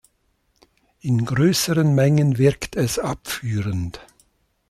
In größeren Mengen wirkt es abführend.